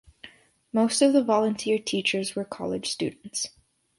Most of the volunteer teachers were college students.